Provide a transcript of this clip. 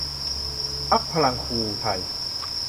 พรรคพลังครูไทย